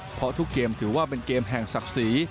เพราะทุกเกมถือว่าเป็นเกมแห่งศักดิ์ศรี